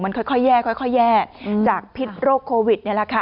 ค่อยแย่ค่อยแย่จากพิษโรคโควิดนี่แหละค่ะ